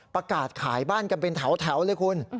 ประกาศขายบ้านกันเป็นแถวเลยคุณ